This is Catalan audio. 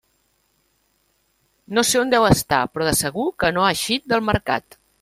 No sé on deu estar, però de segur que no ha eixit del Mercat.